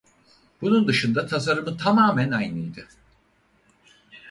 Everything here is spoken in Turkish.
Bunun dışında tasarımı tamamen aynıydı.